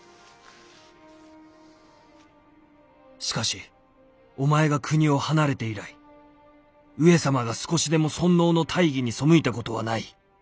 「しかしお前が国を離れて以来上様が少しでも尊王の大義に背いたことはない！